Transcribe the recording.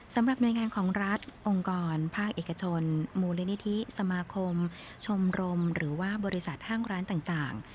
สำหรับหน่วยงานของรัฐองค์กรภาคเอกชนมูลนิธิสมาคมชมรมหรือว่าบริษัทห้างร้านต่าง